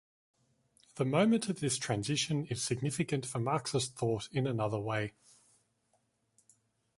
The moment of this transition is significant for Marxist thought in another way.